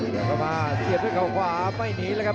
เดี๋ยวก็มาเสียเพชรเขาขวาไม่หนีเลยครับ